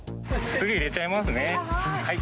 すぐ入れちゃいますね。